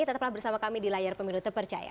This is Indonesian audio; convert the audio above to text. tetaplah bersama kami di layar pemilu terpercaya